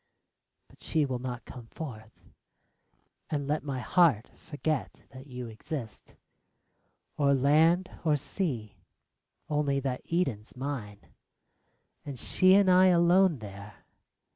But she will not come forth And let my heart forget that you exist Or land or sea — only that Eden's mine, 25 THE LOVER WAITS And she and I alone there.